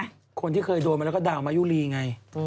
คนที่เคยโดนมาแล้วก็ดาวมายุรีไง